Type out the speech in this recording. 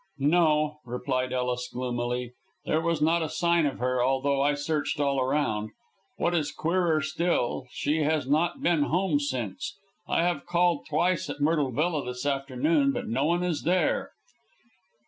"No," replied Ellis, gloomily, "there was not a sign of her, although I searched all round. What is queerer still, she has not been home since. I have called twice at Myrtle Villa this afternoon, but no one is there."